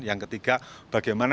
yang ketiga bagaimana